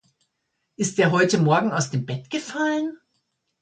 Ist der heute morgen aus dem Bett gefallen?